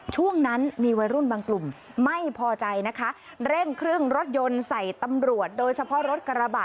ช่วงนั้นมีวัยรุ่นบางกลุ่มไม่พอใจนะคะเร่งเครื่องรถยนต์ใส่ตำรวจโดยเฉพาะรถกระบะ